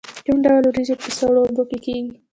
کوم ډول وریجې په سړو اوبو کې کیږي؟